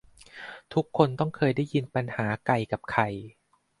ทุกคนต้องเคยได้ยินปัญหาไก่กับไข่